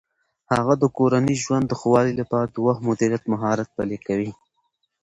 هغه د کورني ژوند د ښه والي لپاره د وخت مدیریت مهارت پلي کوي.